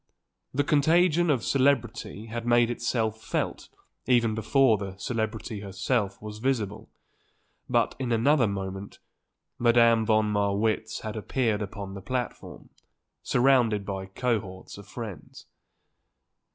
The contagion of celebrity had made itself felt even before the celebrity herself was visible; but, in another moment, Madame von Marwitz had appeared upon the platform, surrounded by cohorts of friends.